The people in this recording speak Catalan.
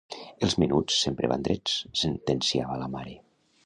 "Els menuts sempre van drets", sentenciava la mare.